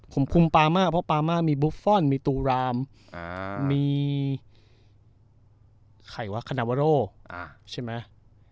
ผมคุมปามาเพราะปามามีบุฟฟอลมีตูรามมีไข่วะคณาวาโรใช่ไหม